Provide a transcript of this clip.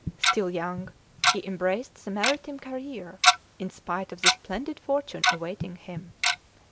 Still young, he embraced the maritime career in spite of the splendid fortune awaiting him.